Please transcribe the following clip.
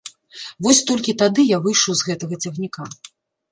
Вось толькі тады я выйшаў з гэтага цягніка.